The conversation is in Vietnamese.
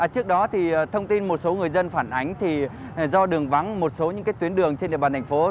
trước đó thông tin một số người dân phản ánh thì do đường vắng một số những tuyến đường trên địa bàn thành phố